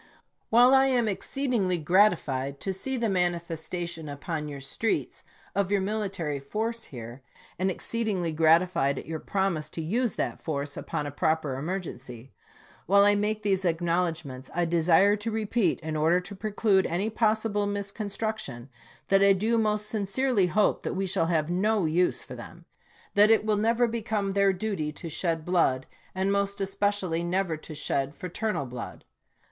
While I am exceedingly gratified to see the mani festation upon your streets of your military force here, and exceedingly gratified at your promise to use that force upon a proper emergency — while I make these acknowledgments I desire to repeat, in order to preclude any possible misconstruction, that I do most sincerely hope that we shall have no use for them ; that it will never become their duty to shed blood, and most es pecially never to shed fraternal blood.